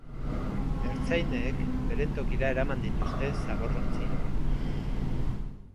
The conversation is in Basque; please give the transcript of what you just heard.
Ertzainek beren tokira eraman dituzte zaborrontziak.